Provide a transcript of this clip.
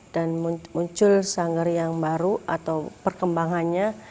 dan muncul sanggar yang baru atau perkembangannya